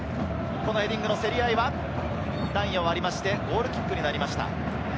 ヘディングの競り合いはラインを割ってゴールキックになりました。